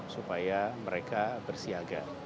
supaya mereka bersiaga